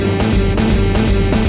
udah bocan mbak